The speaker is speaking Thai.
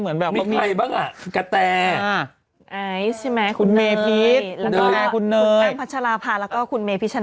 คุณเนยใช่ไหมคุณเนยคุณเนยคุณแอล์พระชาราพลและคุณเนยพิชัน